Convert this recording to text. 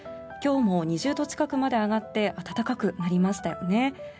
今日も２０度近くまで上がって暖かくなりましたよね。